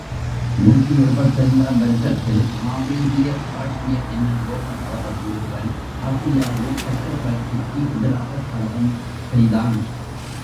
நூற்றி எழுபத்தைந்து ஆம் வருஷத்தில் ஆவீதிய காள்ஸியன் என்னும் ரோமதளபதி ஒருவன் ஆசியாவில் சக்ரவர்த்திக்கு எதிராகக் கலகம் செய்தான்.